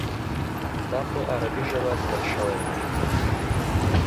دا په عربي ژبه لیکل شوی دی.